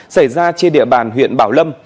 xảy ra trên địa bàn huyện bảo lâm